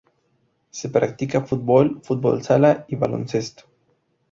Se practica fútbol, fútbol sala y baloncesto.